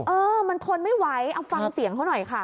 เออมันทนไม่ไหวเอาฟังเสียงเขาหน่อยค่ะ